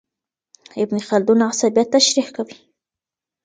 ابن خلدون عصبيت تشريح کوي.